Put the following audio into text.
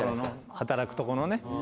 働くとこのね。